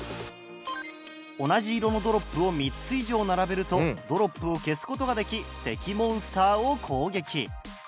同じ色のドロップを３つ以上並べるとドロップを消す事ができ敵モンスターを攻撃。